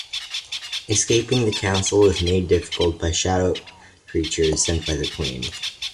Escaping the castle is made difficult by shadow creatures sent by the Queen.